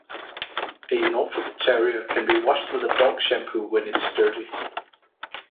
A Norfolk Terrier can be washed with a dog shampoo when it's dirty.